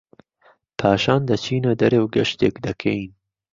پاشان دەچینە دەرێ و گەشتێک دەکەین